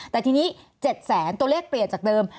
แต่ทีนี้๗แสนตัวเลขเปลี่ยนจากเดิม